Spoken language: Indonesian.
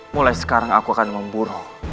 mulai sekarang aku akan memburu